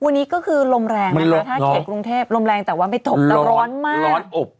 วันนี้ก็คือลมแรงนะคะถ้าเขตกรุงเทพลมแรงแต่ว่าไม่ตกแล้วร้อนมากร้อนอบ